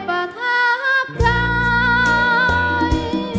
ประทับใจ